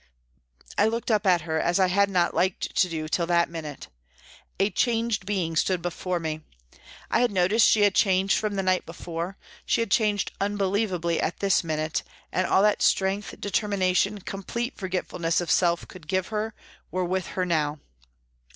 I looked up at her, as I had not liked to do till that minute. A changed being stood before me. I had noticed that she had changed from the night before, she had changed unbelievably at this minute, and all that strength, determination, complete forget fulness of self could give her, were with her now.